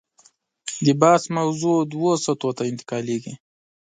د بحث موضوع دوو سطحو ته انتقالېږي.